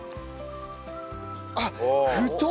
あっ太っ！